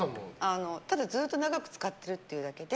ただ、ずっと長く使ってるっていうだけで。